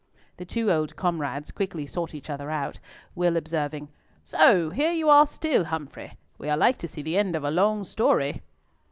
The two old comrades quickly sought each other out, Will observing, "So here you are still, Humfrey. We are like to see the end of a long story."